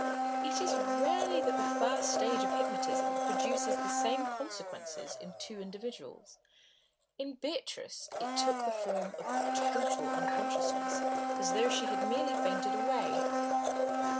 It is rarely that the first stage of hypnotism produces the same consequences in two different individuals. In Beatrice it took the form of total unconsciousness, as though she had merely fainted away.